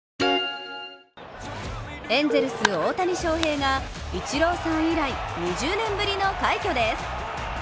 エンゼルス・大谷翔平がイチローさん以来２０年ぶりの快挙です。